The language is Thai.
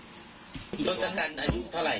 รถสัดกันอายุเท่าไหร่